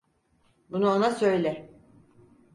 Bunu ona söyle.